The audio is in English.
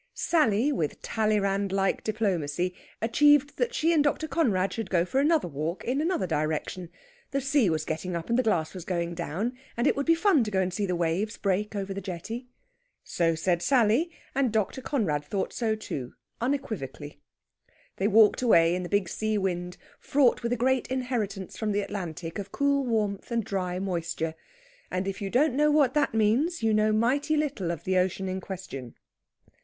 Sally, with Talleyrand like diplomacy, achieved that she and Dr. Conrad should go for another walk in another direction. The sea was getting up and the glass was going down, and it would be fun to go and see the waves break over the jetty. So said Sally, and Dr. Conrad thought so too, unequivocally. They walked away in the big sea wind, fraught with a great inheritance from the Atlantic of cool warmth and dry moisture. And if you don't know what that means, you know mighty little of the ocean in question.